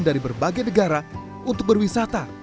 dari berbagai negara untuk berwisata